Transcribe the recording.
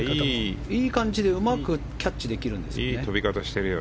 いい感じでうまくキャッチできるんだよね。